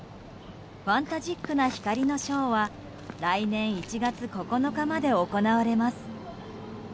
ファンタジックな光のショーは来年１月９日まで行われます。